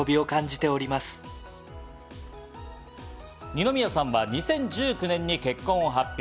二宮さんは２０１９年に結婚を発表。